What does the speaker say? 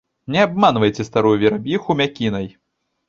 Не абманвайце старую вераб'іху мякінай.